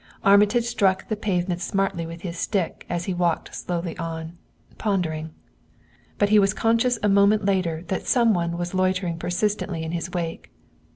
Armitage struck the pavement smartly with his stick as he walked slowly on, pondering; but he was conscious a moment later that some one was loitering persistently in his wake.